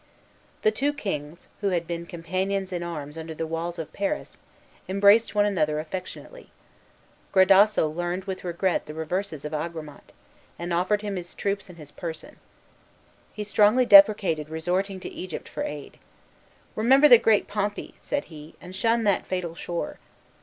The two kings, who had been companions in arms under the walls of Paris, embraced one another affectionately. Gradasso learned with regret the reverses of Agramant, and offered him his troops and his person. He strongly deprecated resorting to Egypt for aid. "Remember the great Pompey," said he, "and shun that fatal shore.